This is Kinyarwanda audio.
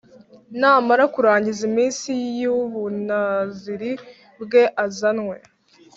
namara kurangiza iminsi y ubunaziri bwe Azanwe